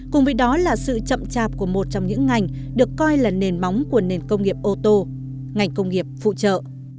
cùng với đó là sự chậm chạp của một trong những ngành được coi là nền móng của nền công nghiệp ô tô ngành công nghiệp phụ trợ